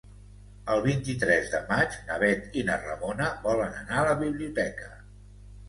El vint-i-tres de maig na Bet i na Ramona volen anar a la biblioteca.